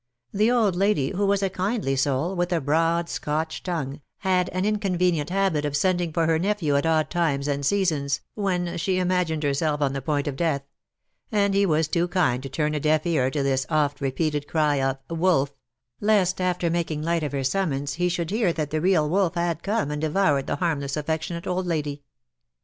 The old lady, who was a kindly soul, with a broad Scotch tongue, had an in convenient habit of sending for her nephew at odd times and seasons, when she imagined herself on the point of death — and he was too kind to turn a deaf ear to this oft repeated cry of '^ wolf ^^— lest, after making light of her summons, he should hear that the real wolf had come and devoured the harm less, affectionate old lady.